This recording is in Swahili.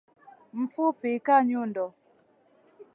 Mfupi ka nyundo